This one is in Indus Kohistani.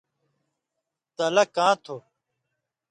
تلہ کاں تُھو؟